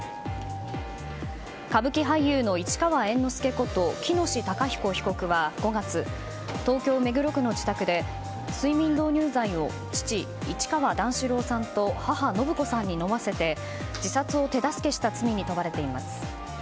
歌舞伎俳優の市川猿之助こと喜熨斗孝彦被告は５月東京・目黒区の自宅で睡眠導入剤を父・市川段四郎さんと母・延子さんに飲ませて自殺を手助けした罪に問われています。